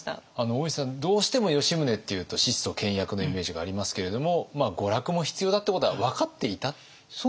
大石さんどうしても吉宗っていうと質素倹約のイメージがありますけれども娯楽も必要だってことは分かっていたんですか？